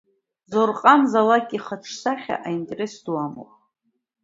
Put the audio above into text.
Зоурҟан Золак ихаҿсахьа аинтерес ду амоуп.